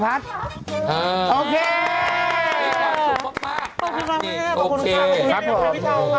ครับผม